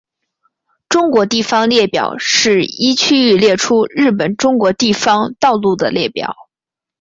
中国地方道路列表是依区域列出日本中国地方道路的列表。